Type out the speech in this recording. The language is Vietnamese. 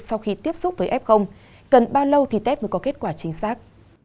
sau khi tiếp xúc với f cần bao lâu thì tep mới có kết quả chính xác